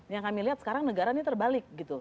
yang kami lihat sekarang negara ini terbalik gitu